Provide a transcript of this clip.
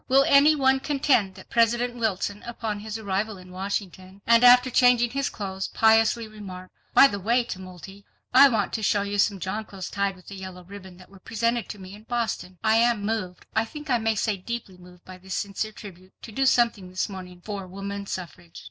Will any one contend that President Wilson upon his arrival in Washington, and after changing his clothes, piously remarked: "By the way, Tumulty, I want to show you some jonquils tied with a yellow ribbon that were presented to me in Boston. I am moved, I think I may say deeply moved by this sincere tribute, to do something this morning for woman suffrage.